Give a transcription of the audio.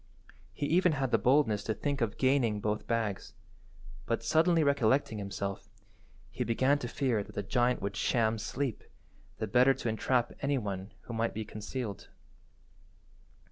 He even had the boldness to think of gaining both bags, but, suddenly recollecting himself, he began to fear that the giant would sham sleep, the better to entrap any one who might be concealed.